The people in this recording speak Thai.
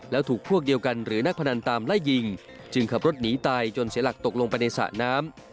แล้วถูกพวกเดียวกันหรือนักพนันตามไล่ยิงจึงขับรถหนีตายจนเสียหลักตกลงไปในสระน้ำ